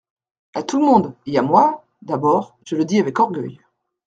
A tout le monde, et à moi, d'abord, je le dis ave c orgueil.